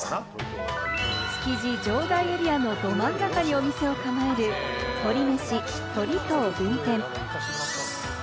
築地場外エリアのど真ん中にお店を構える「鳥めし鳥藤分店」。